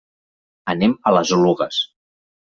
Anem a les Oluges.